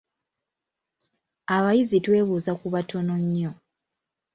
Abayizi twebuuza ku batono nnyo.